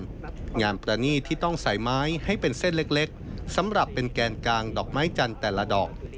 งานประณีตที่ต้องใส่ไม้ให้เป็นเส้นเล็กสำหรับเป็นแกนกลางดอกไม้จันทร์แต่ละดอก